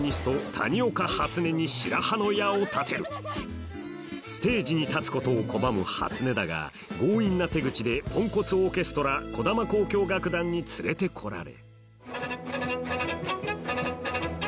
谷岡初音に白羽の矢を立てるステージに立つことを拒む初音だが強引な手口でポンコツオーケストラ児玉交響楽団に連れて来られ